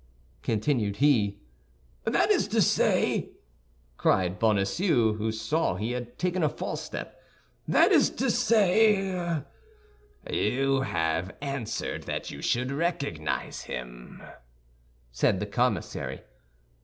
continued he. "That is to say," cried Bonacieux, who saw he had taken a false step, "that is to say—" "You have answered that you should recognize him," said the commissary.